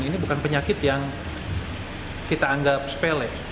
ini bukan penyakit yang kita anggap sepele